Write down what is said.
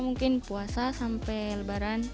mungkin puasa sampai lebaran